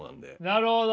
なるほど。